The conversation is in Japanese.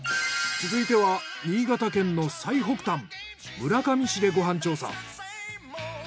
続いては新潟県の最北端村上市でご飯調査。